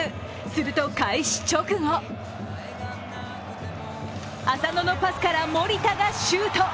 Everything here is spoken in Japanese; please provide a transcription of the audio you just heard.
すると開始直後浅野のパスから守田がシュート。